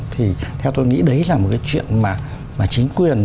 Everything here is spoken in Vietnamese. thì theo tôi nghĩ đấy là một cái chuyện mà chính quyền